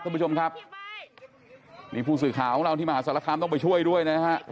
คุณผู้ชมครับนี่ผู้สื่อข่าวของเราที่มหาศาลคามต้องไปช่วยด้วยนะฮะ